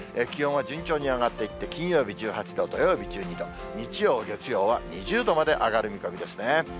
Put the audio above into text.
気温は順調に上がっていって、金曜日１８度、土曜日１２度、日曜、月曜は２０度まで上がる見込みですね。